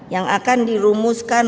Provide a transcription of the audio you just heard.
yang akan dirumuskan